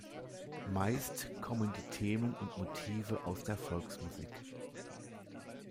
Meist kommen die Themen und Motive aus der Volksmusik.